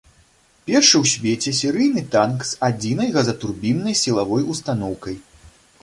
Першы ў свеце серыйны танк з адзінай газатурбіннай сілавой устаноўкай.